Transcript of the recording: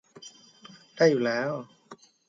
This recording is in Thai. ได้อยู่แล้ว